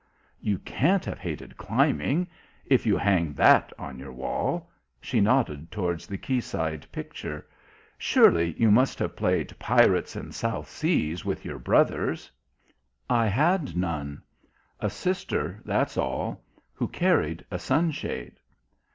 "You can't have hated climbing if you hang that on your wall." She nodded towards the quayside picture. "Surely you must have played 'pirates and South Seas' with your brothers." "I had none. A sister, that's all who carried a sunshade."